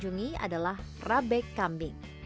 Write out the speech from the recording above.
ini adalah rabe kambing